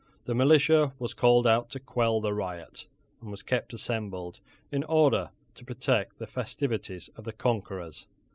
The militia was called out to quell the riot, and was kept assembled, in order to protect the festivities of the conquerors.